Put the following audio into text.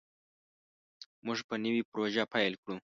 موږ به نوې پروژه پیل کړو.